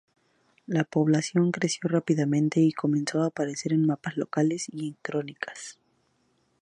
La población creció rápidamente y comenzó a aparecer en mapas locales y en crónicas.